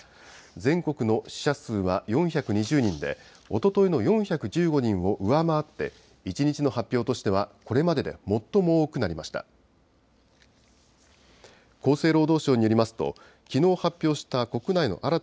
全国の死者数は４２０人で、おとといの４１５人を上回って、１日の発表としてはこれまでで最も多くなりました。